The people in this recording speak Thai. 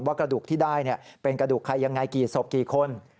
กระดูกที่ได้เป็นกระดูกใครยังไงกี่ศพกี่คน